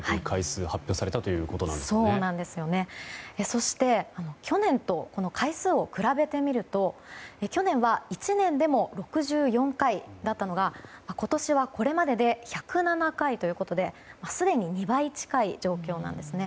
そして去年と回数を比べてみると去年は１年でも６４回だったのが今年は、これまでで１０７回ということですでに２倍近い状況なんです。